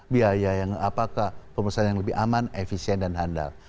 biaya yang apakah pemeriksaan yang lebih aman efisien dan handal